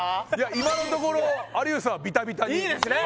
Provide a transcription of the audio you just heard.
今のところ有吉さんはビタビタにいいですね